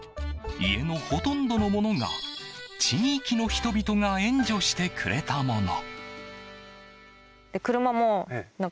家のほとんどのものが地域の人々が援助してくれたもの。